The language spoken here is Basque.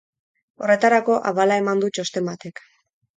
Horretarako abala eman du txosten batek.